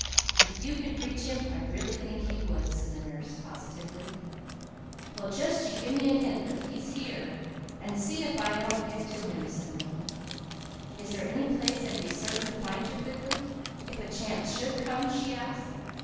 "If you could reach him, I really think he would," said the nurse positively. "Well just you gimme a hint that he's here, and see if I don't get to him," said Mickey. "Is there any place I'd be certain to find you quickly, if a chance should come?" she asked.